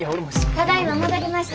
ただいま戻りました。